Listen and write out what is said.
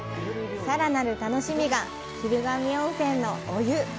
さらなる楽しみが昼神温泉のお湯。